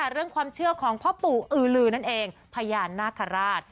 เรื่องความเชื่อของพ่อปู่อือลือนั่นเองพญานาคาราช